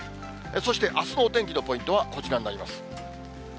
そして、あすのお天気のポイントはこちらになります。